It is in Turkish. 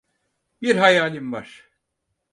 Bir hayalim var.